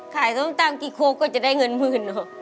ขายส้มตำกี่โค้กกว่าจะได้เงินหมื่นน่ะ